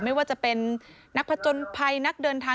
ไม่ว่าจะเป็นนักผจญภัยนักเดินทาง